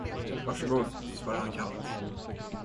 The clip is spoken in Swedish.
Var så god, svarade han kallt.